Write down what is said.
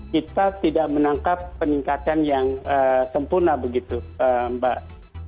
kita tidak menangkap peningkatan yang sempurna begitu mbak